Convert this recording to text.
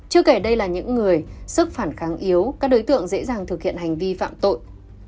chưa kể đây là những người sức phản kháng yếu các đối tượng dễ dàng thực hiện hành vi phạm tội